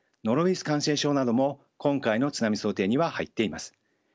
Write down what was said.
ノロウイルス感染症なども今回の津波想定には入っています。